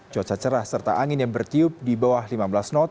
cuaca cerah serta angin yang bertiup di bawah lima belas knot